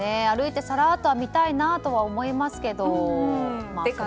歩いてさらっとは見たいなと思いますけど。